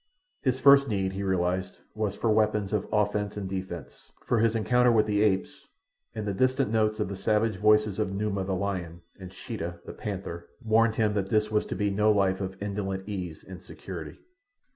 His first need, he realized, was for weapons of offence and defence, for his encounter with the apes, and the distant notes of the savage voices of Numa the lion, and Sheeta, the panther, warned him that his was to be no life of indolent ease and security.